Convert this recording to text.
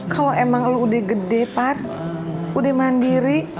kalau emang udah gede pak udah mandiri